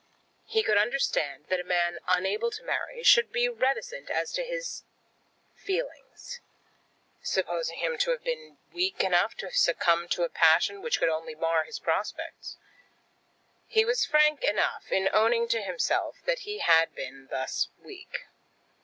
He could understand that a man unable to marry should be reticent as to his feelings, supposing him to have been weak enough to have succumbed to a passion which could only mar his own prospects. He was frank enough in owning to himself that he had been thus weak.